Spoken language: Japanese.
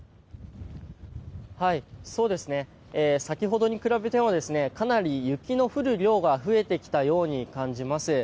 先ほどに比べてもかなり雪の降る量が増えてきたように感じます。